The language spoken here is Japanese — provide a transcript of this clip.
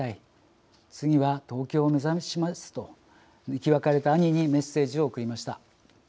次は東京を目指しますと生き別れた兄にメッセージを送りました。